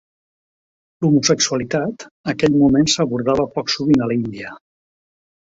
L'homosexualitat aquell moment s'abordava poc sovint a l'Índia.